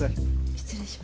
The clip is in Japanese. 失礼します。